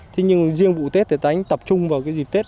thế nhưng riêng vụ tết thì ta hãy tập trung vào dịp tết